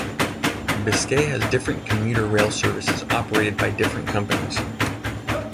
Biscay has different commuter rail services, operated by different companies.